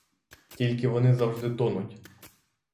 Тільки вони завжди тонуть.